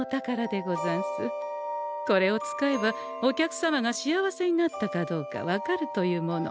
これを使えばお客様が幸せになったかどうか分かるというもの。